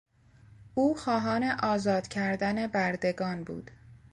او خواهان آزاد کردن بردگان بود.